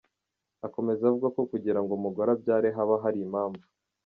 Akomeza avuga ko Kugira ngo umugore abyare haba hari impamvu.